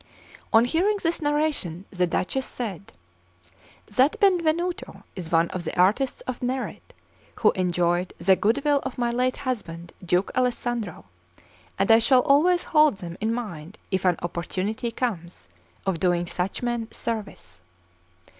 On hearing this narration the Duchess said: "That Benvenuto is one of the artists of merit, who enjoyed the goodwill of my late husband, Duke Alessandro, and I shall always hold them in mind if an opportunity comes of doing such men service."